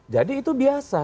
jadi itu biasa